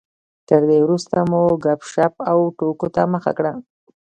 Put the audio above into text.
تر دې وروسته مو ګپ شپ او ټوکو ته مخه کړه.